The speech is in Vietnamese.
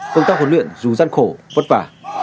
công tác huấn luyện dù gian khổ vất vả